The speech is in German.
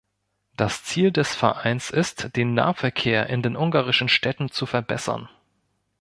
Das Ziel des Vereins ist, den Nahverkehr in den ungarischen Städten zu verbessern.